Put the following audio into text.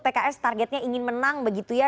pks targetnya ingin menang begitu ya